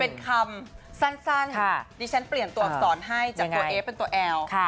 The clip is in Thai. เป็นคำสั้นดิฉันเปลี่ยนตัวอักษรให้จากตัวเอ๊เป็นตัวแอล